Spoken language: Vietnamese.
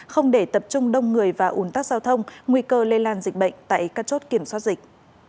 không để tập trung đông người và ủn tắc giao thông nguy cơ lây lan dịch bệnh tại các chốt kiểm soát dịch